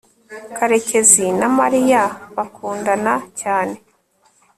karekezi na mariya bakundana cyane